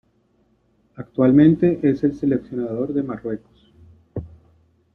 Actualmente es el seleccionador de Marruecos.